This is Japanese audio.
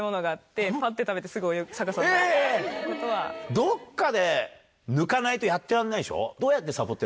どっかで抜かないとやってらんないでしょ？